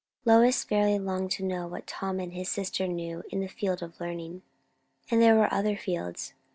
Lois fairly longed to know what Tom and his sister knew in the fields of learning. And there were other fields.